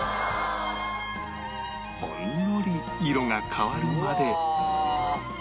ほんのり色が変わるまで